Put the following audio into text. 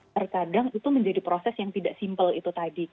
terkadang itu menjadi proses yang tidak simpel itu tadi